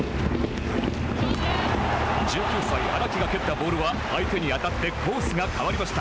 １９歳荒木が蹴ったボールは相手に当たってコースが変わりました。